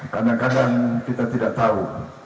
kadang kadang kita tidak tahu